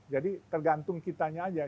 jadi tergantung kitanya aja